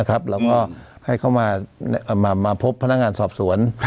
แล้วก็ให้เขามาพบพนักงานสอบสวน